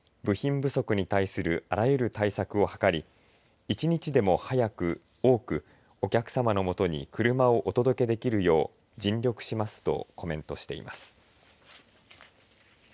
部品不足に対するあらゆるたいさくをはかり１日でも早く多く、お客様のもとに車をお届けできるよう尽力いたしますとコメントしています。